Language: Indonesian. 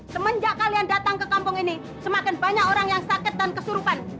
semenjak kalian datang ke kampung ini semakin banyak orang yang sakit dan kesurupan